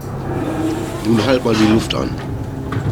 Nun halt mal die Luft an!